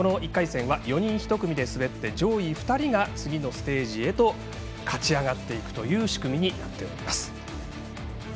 １回戦は４人１組で滑って上位２人が次のステージへと勝ち上がっていくという仕組みになっております。